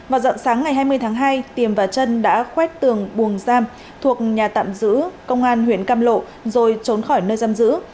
vào dặn sáng ngày hai mươi tháng hai tiềm và trân đã khuét tường buồng giam thuộc nhà tạm giữ công an huyện cam lộ rồi trốn khỏi nơi giam giữ